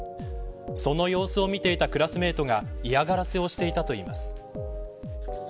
その様子を見ていたクラスメイトが嫌がらせをしていたといいます。